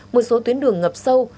một số tuyến đường ngập sâu